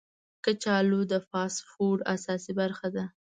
کچالو د فاسټ فوډ اساسي برخه ده